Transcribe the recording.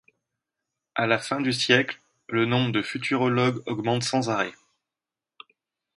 À la fin du siècle, le nombre de futurologues augmente sans arrêt.